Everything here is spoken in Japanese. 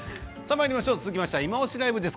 続きましては「いまオシ！ＬＩＶＥ」です。